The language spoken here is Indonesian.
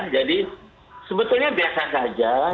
jadi sebetulnya biasa saja